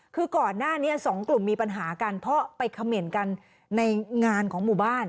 คือก่อนหน้านี้สองกลุ่มมีปัญหากันเพราะไปเขม่นกันในงานของหมู่บ้าน